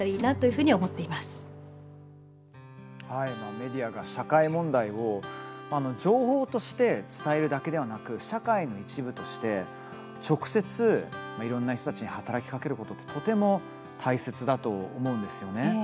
メディアが社会問題を情報として伝えるだけではなく社会の一部として直接いろいろな人たちに働きかけることってとても大切だと思うんですよね。